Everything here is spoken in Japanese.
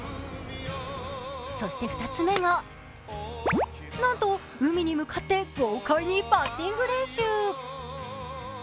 そして２つ目がなんと海に向かって豪快にバッティング練習。